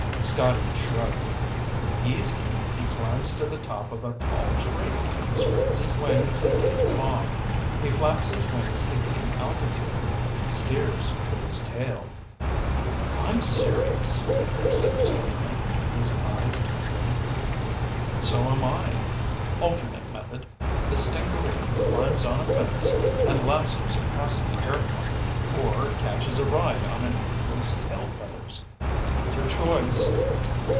Scotty shrugged. "Easy. He climbs to the top of a tall tree, spreads his wings, and takes off. He flaps his wings to gain altitude. He steers with his tail." "I'm serious," Rick said sternly, his eyes twinkling. "So am I. Alternate method: the stingaree climbs on a fence and lassos a passing airplane. Or catches a ride on an eagle's tail feathers. Take your choice."